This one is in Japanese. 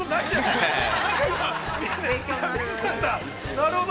◆なるほど。